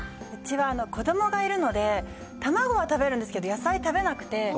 うちは子どもがいるので、卵は食べるんですけど、野菜食べなくて、